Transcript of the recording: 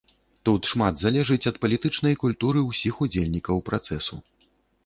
Тут шмат залежыць ад палітычнай культуры ўсіх удзельнікаў працэсу.